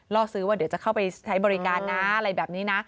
ล่อซื้อว่าเดี๋ยวจะเข้าไปใช้บริการนะอะไรแบบนี้นะ